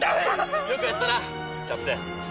よくやったなキャプテン。